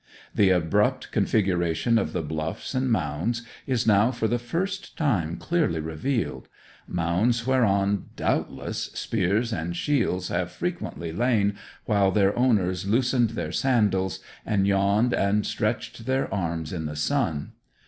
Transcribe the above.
The abrupt configuration of the bluffs and mounds is now for the first time clearly revealed mounds whereon, doubtless, spears and shields have frequently lain while their owners loosened their sandals and yawned and stretched their arms in the sun.